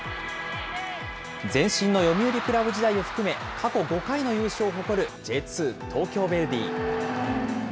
前身の読売クラブ時代を含め、過去５回の優勝を誇るＪ２・東京ヴェルディ。